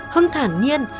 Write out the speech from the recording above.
hưng thản nhiên